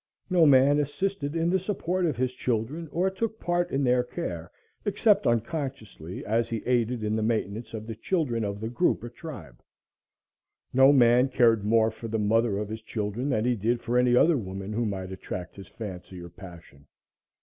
No man assisted in the support of his children or took part in their care, except unconsciously as he aided in the maintenance of the children of the group or tribe; no man cared more for the mother of his children than he did for any other woman who might attract his fancy or passion.